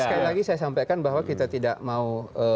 sekali lagi saya sampaikan bahwa kita tidak mau